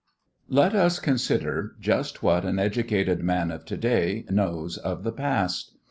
Let us consider just what an educated man of to day knows of the past.